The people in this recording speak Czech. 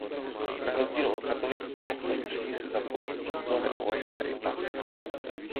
Na rozdíl od katolického prostředí se za postní jídlo nepovažuje ryba.